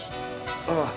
ああ。